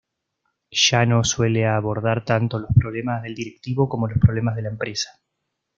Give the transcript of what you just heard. Llano suele abordar tanto los problemas del directivo como los problemas de la empresa.